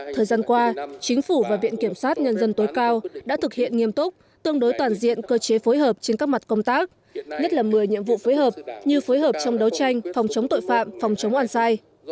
thời gian qua chính phủ và viện kiểm sát nhân dân tối cao đã thực hiện nghiêm túc tương đối toàn diện cơ chế phối hợp trên các mặt công tác nhất là một mươi nhiệm vụ phối hợp như phối hợp trong đấu tranh phòng chống tội phạm phòng chống oan sai